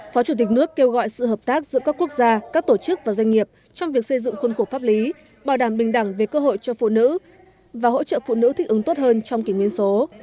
phó chủ tịch nước kêu gọi sự hợp tác giữa các quốc gia các tổ chức và doanh nghiệp trong việc xây dựng khuôn khổ pháp lý bảo đảm bình đẳng về cơ hội cho phụ nữ và hỗ trợ phụ nữ thích ứng tốt hơn trong kỷ nguyên số